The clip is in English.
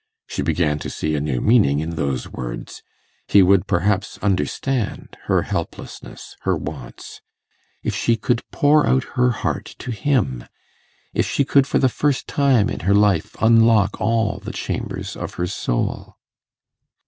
She began to see a new meaning in those words; he would perhaps understand her helplessness, her wants. If she could pour out her heart to him! if she could for the first time in her life unlock all the chambers of her soul!